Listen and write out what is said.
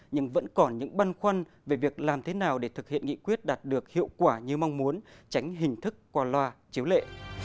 nhưng vẫn còn những băn khoăn về việc làm thế nào để thực hiện nghị quyết đạt được hiệu quả như mong muốn tránh hình thức qua loa chiếu lệ